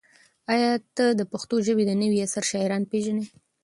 ایا ته د پښتو ژبې د نوي عصر شاعران پېژنې؟